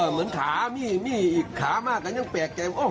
เหมือนขามีขามากก็ยังแปลกใจ